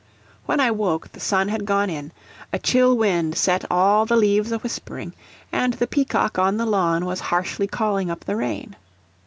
When I woke, the sun had gone in, a chill wind set all the leaves a whispering, and the peacock on the lawn was harshly calling up the rain.